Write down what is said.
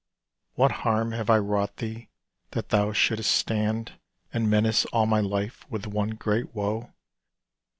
What harm have I wrought thee that thou shouldst stand And menace all my life with one great woe?